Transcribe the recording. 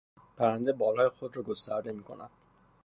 پرنده بالهای خود را گسترده میکند.